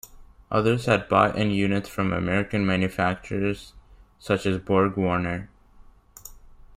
Others had bought in units from American manufacturers such as Borg-Warner.